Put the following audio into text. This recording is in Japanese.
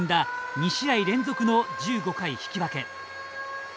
２試合連続の１５回引き分け。